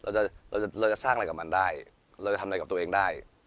แต่ตอนนี้ผมว่าพ่อเขาใจดีกันไป